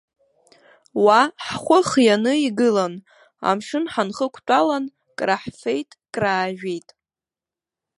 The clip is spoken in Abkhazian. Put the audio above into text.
Уа ҳхәы хианы игылан, амшын ҳанхықәтәалан, краҳфеит, краажәит.